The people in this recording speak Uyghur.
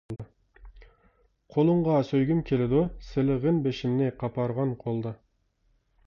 قولۇڭغا سۆيگۈم كېلىدۇ، سىلىغىن بېشىمنى قاپارغان قولدا.